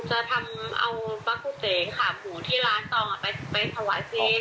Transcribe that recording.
ต้องจะทำเอาบรรคุเจขาบหูที่ร้านต่อไปสวัสดีจริง